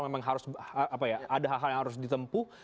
memang harus ada hal hal yang harus ditempuh